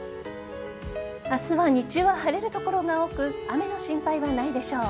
明日は日中は晴れる所が多く雨の心配はないでしょう。